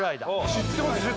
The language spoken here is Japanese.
知ってます